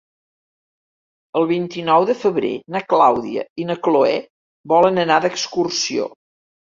El vint-i-nou de febrer na Clàudia i na Cloè volen anar d'excursió.